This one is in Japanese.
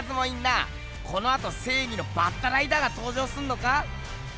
このあとせいぎのバッタライダーがとうじょうすんのか？